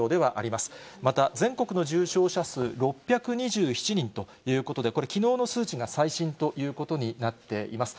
また全国の重症者数６２７人ということで、これ、きのうの数値が最新ということになっています。